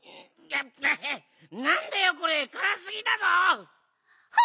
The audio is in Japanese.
なんだよこれからすぎだぞ！